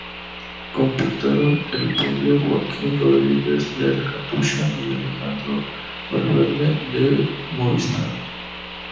Completaron el podio Joaquim Rodríguez del Katusha y Alejandro Valverde del Movistar.